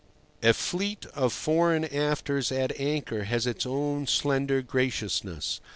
A fleet of fore and afters at anchor has its own slender graciousness.